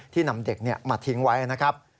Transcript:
นำเด็กมาทิ้งไว้นะครับ